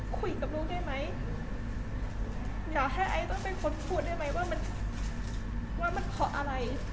คุยกับลูกได้ไหมอย่าให้ไอซ์ต้องเป็นคนพูดได้ไหมว่ามันขออะไร